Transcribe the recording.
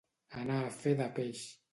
Anar a fer de peix.